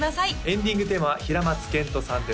エンディングテーマは平松賢人さんです